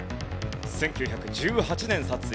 １９１８年撮影。